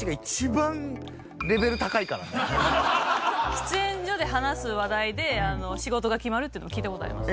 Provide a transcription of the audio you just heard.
喫煙所で話す話題で仕事が決まるっていうのも聞いた事あります。